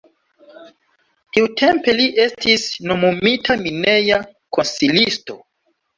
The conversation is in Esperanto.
Tiutempe li estis nomumita mineja konsilisto.